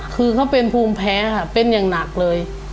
คือเขาเป็นภูมิแพ้ค่ะเป็นอย่างหนักเลย